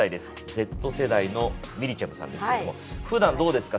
Ｚ世代のみりちゃむさんですけどもふだんどうですか？